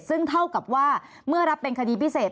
ซึ่งเท่ากับว่าเมื่อรับเป็นคดีพิเศษ